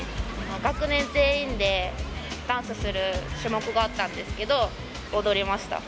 学年全員でダンスする種目があったんですけど、踊りました。